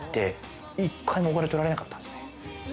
１回もお金取られなかったんですよね。